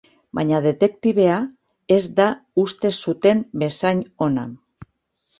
Baina detektibea, ez da uste zuten bezain ona.